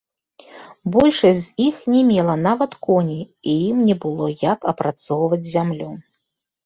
Большасць з іх не мела нават коней і ім не было як апрацоўваць зямлю.